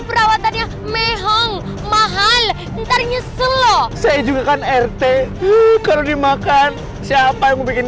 perawatannya mehong mahal entar nyeselu lo saya juga kan ert tuh kalau dimakan siapa yang bikin